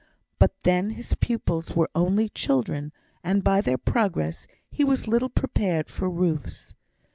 But then his pupils were only children, and by their progress he was little prepared for Ruth's.